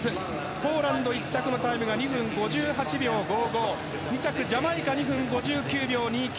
ポーランド１着のタイムが２分５８秒５５２着ジャマイカ２分５４秒２９。